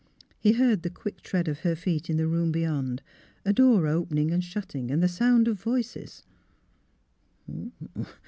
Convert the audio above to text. He heard the quick tread of her feet in the room beyond, a door opening and shutting, and the sound of voices.